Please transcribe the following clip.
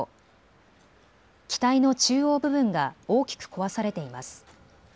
機体の中央部分が大きく壊されています。